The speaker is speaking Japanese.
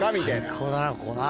最高だなここな。